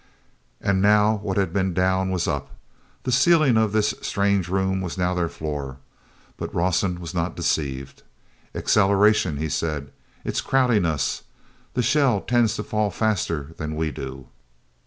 And now what had been down was up. The ceiling of this strange room was now their floor, but Rawson was not deceived. "Acceleration," he said. "It's crowding us. The shell tends to fall faster than we do.